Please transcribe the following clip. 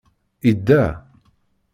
Idda.